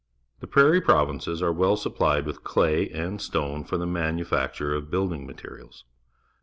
The Prairie Provinces are well supplied with clav and s tone for the manufacture of building materials.